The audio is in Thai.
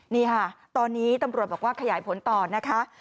นี่ค่ะตอนนี้ตำรวจบอกว่าขยายผลต่อนะคะ